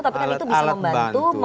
tapi kan itu bisa membantu